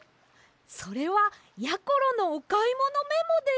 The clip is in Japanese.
それはやころのおかいものメモです！